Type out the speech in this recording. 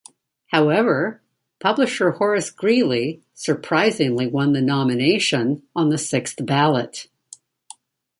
However, publisher Horace Greeley surprisingly won the nomination on the sixth ballot.